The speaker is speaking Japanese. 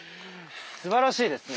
すばらしいですね。